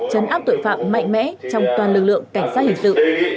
chấn áp tội phạm mạnh mẽ trong toàn lực lượng cảnh sát hình sự